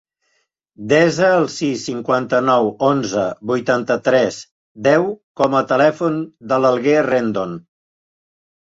Desa el sis, cinquanta-nou, onze, vuitanta-tres, deu com a telèfon de l'Alguer Rendon.